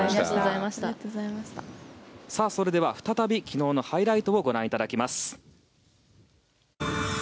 それでは再び昨日のハイライトをご覧いただきます。